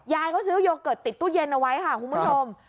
ยายเขาซื้อโยเกิร์ตติดตู้เย็นเอาไว้ค่ะคุณผู้ชม